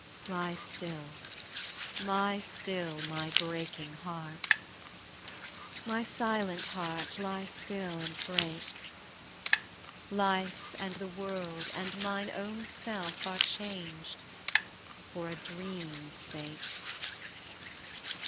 Lie still, lie still, my breaking heart; My silent heart, lie still and break: Life, and the world, and mine own self, are changed For a dream's sake.